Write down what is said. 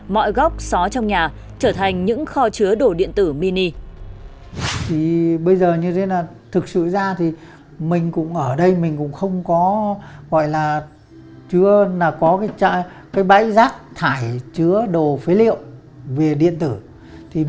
mọi góc xó trong nhà trở thành những khóa đường để xử lý những thiết bị điện tử cũ